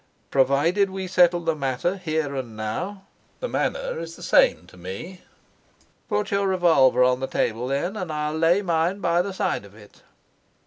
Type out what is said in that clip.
"Provided we settle the matter here and now, the manner is the same to me." "Put your revolver on the table, then, and I'll lay mine by the side of it."